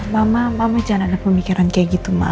mama mama jangan ada pemikiran kayak gitu mak